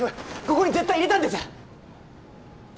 ここに絶対入れたんです！